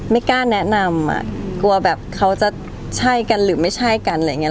ไม่กล้าแนะนำอ่ะกลัวแบบเขาจะใช่กันหรือไม่ใช่กันอะไรอย่างนี้